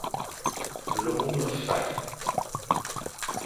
Luma mefa,